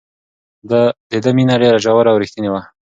د ده مینه ډېره ژوره او رښتینې وه.